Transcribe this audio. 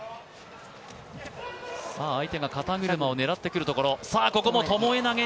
相手が肩車を狙ってくるところ。